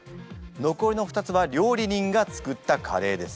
残りの２つは料理人が作ったカレーです。